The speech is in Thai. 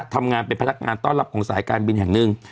ทำงานเป็นพนักงานต้อนรับของสายการบินแห่งหนึ่ง